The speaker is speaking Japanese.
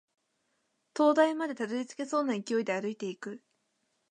灯台までたどり着けそうな勢いで歩いていく